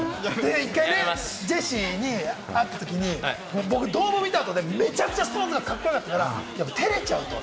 ジェシーに会ったときに、ドーム見た後でめちゃくちゃＳｉｘＴＯＮＥＳカッコよかったから、照れちゃうのよ。